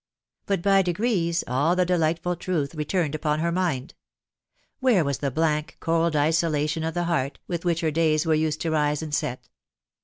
But by degrees all the delightful truth returned upon her mind. Where was the blank, cold isolation of the heart, with which her days were used to rise and set